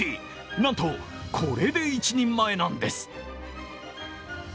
なんと、これで１人前なんです。